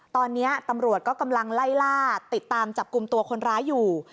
ตอนนี้ตำรวจก็กำลังไล่ล่าติดตามจับกลุ่มตัวคนร้ายอยู่